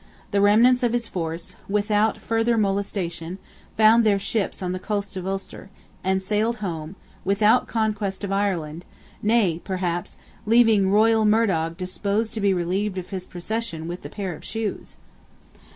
The remnants of his force, without further molestation, found their ships on the Coast of Ulster; and sailed home, without conquest of Ireland; nay perhaps, leaving royal Murdog disposed to be relieved of his procession with the pair of shoes.